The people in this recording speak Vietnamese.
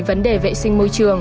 vấn đề vệ sinh môi trường